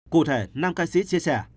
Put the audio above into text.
cụ thể nam ca sĩ chia sẻ